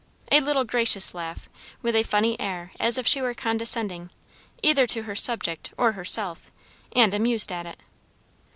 A little gracious laugh, with a funny air as if she were condescending, either to her subject or herself, and amused at it.